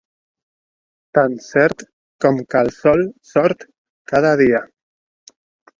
Tan cert com que el sol sort cada dia.